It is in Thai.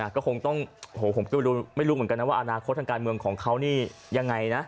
ก็คงต้องผมก็ไม่รู้เหมือนกันนะว่าอนาคตทางการเมืองของเขานี่ยังไงนะ